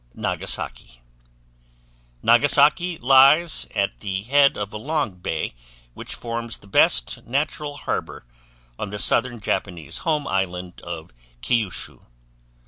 Nagasaki Nagasaki lies at the head of a long bay which forms the best natural harbor on the southern Japanese home island of Kyushu.